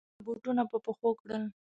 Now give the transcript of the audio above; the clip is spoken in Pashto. نور مې نو بوټونه په پښو کړل.